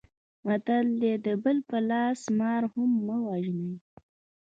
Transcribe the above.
متل دی: د بل په لاس مار هم مه وژنئ.